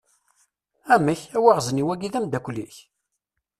Amek, awaɣzeniw-agi d ameddakel-ik?